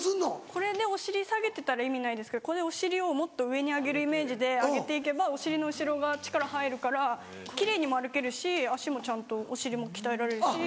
これでお尻下げてたら意味ないですけどこれでお尻をもっと上に上げるイメージで上げて行けばお尻の後ろが力入るから奇麗にも歩けるし足もちゃんとお尻も鍛えられるし。